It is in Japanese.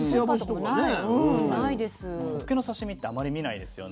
ほっけの刺身ってあまり見ないですよね。